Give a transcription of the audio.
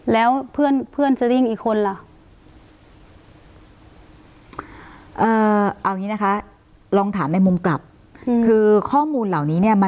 แล้วเพื่อนซีลิ่งอีกคนล่ะ